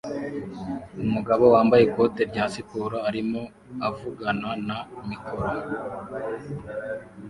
Umugabo wambaye ikote rya siporo arimo avugana na mikoro